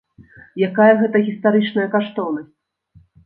Якая гэта гістарычная каштоўнасць?